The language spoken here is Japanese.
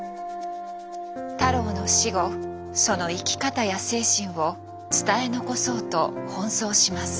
太郎の死後その生き方や精神を伝え残そうと奔走します。